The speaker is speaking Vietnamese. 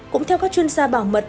cũng theo các chuyên gia bảo mật